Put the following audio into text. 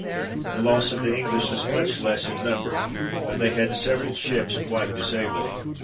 The loss of the English was much less in number, but they had several ships quite disabled.